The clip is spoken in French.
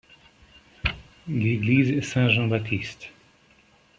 L'église Saint-Jean-Baptiste.